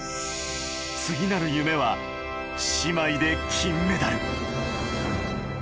次なる夢は姉妹で金メダル。